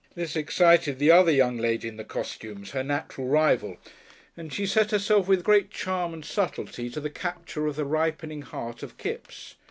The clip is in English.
This excited the other young lady in the costumes, her natural rival, and she set herself with great charm and subtlety to the capture of the ripening heart of Kipps.